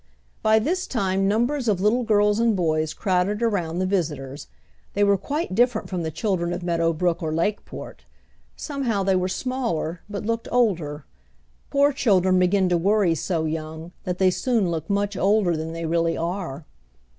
By this time numbers of little girls and boys crowded around the visitors. They were quite different from the children of Meadow Brook or Lakeport. Somehow they were smaller, but looked older. Poor children begin to worry so young that they soon look much older than they really are.